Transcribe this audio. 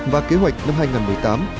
và kế hoạch năm hai nghìn một mươi tám